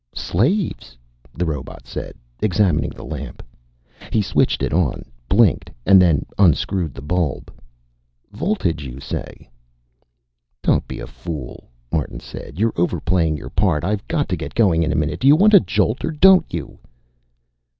"Slaves," the robot said, examining the lamp. He switched it on, blinked, and then unscrewed the bulb. "Voltage, you say?" "Don't be a fool," Martin said. "You're overplaying your part. I've got to get going in a minute. Do you want a jolt or don't you?"